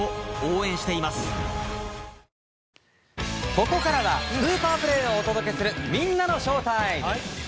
ここからはスーパープレーをお届けするみんなのＳＨＯＷＴＩＭＥ。